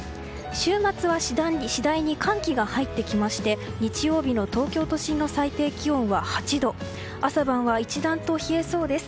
週末は次第に寒気が入ってきまして日曜日の東京都心の最低気温は８度朝晩は一段と冷えそうです。